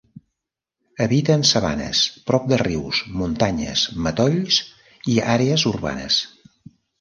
Habita en sabanes, prop de rius, muntanyes, matolls i àrees urbanes.